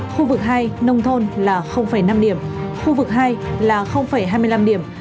khu vực hai nông thôn là năm điểm khu vực hai là hai mươi năm điểm